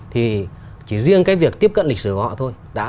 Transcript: thì chỉ riêng cái việc tiếp cận lịch sử của họ thôi